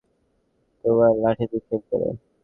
তোমার লাঠি নিক্ষেপ কর।